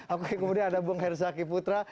oke kemudian ada bung herzaki putra